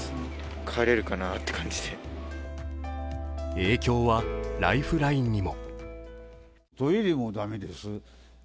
影響はライフラインにも。